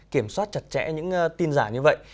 kiểm soát chặt chẽ những tin giả như vậy